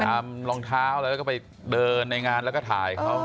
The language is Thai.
รองเท้าแล้วก็ไปเดินในงานแล้วก็ถ่ายเขา